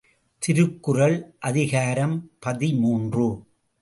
திருக்குறள் அதிகாரம் பதிமூன்று .